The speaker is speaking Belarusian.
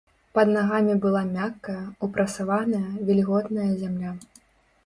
Пад нагамі была мяккая, упрасаваная, вільготная зямля.